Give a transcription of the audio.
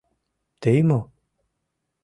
Тый мо?!